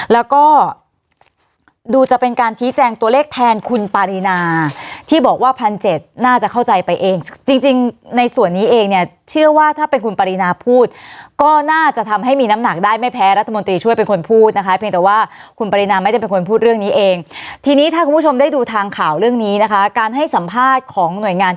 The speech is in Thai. แล้วก็ดูจะเป็นการชี้แจงตัวเลขแทนคุณปารีนาที่บอกว่าพันเจ็ดน่าจะเข้าใจไปเองจริงในส่วนนี้เองเนี่ยเชื่อว่าถ้าเป็นคุณปรินาพูดก็น่าจะทำให้มีน้ำหนักได้ไม่แพ้รัฐมนตรีช่วยเป็นคนพูดนะคะเพียงแต่ว่าคุณปรินาไม่ได้เป็นคนพูดเรื่องนี้เองทีนี้ถ้าคุณผู้ชมได้ดูทางข่าวเรื่องนี้นะคะการให้สัมภาษณ์ของหน่วยงาน